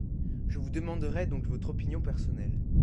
Je vous demanderai donc votre opinion personnelle.